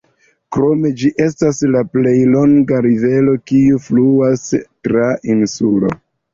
Krome ĝi estas la plej longa rivero kiu fluas tra insulo.